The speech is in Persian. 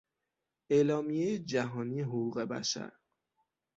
اعلامیهی جهانی حقوق بشر